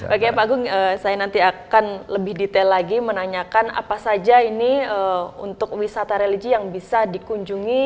oke pak agung saya nanti akan lebih detail lagi menanyakan apa saja ini untuk wisata religi yang bisa dikunjungi